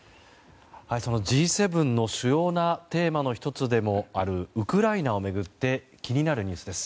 Ｇ７の主要なテーマの１つであるウクライナを巡って気になるニュースです。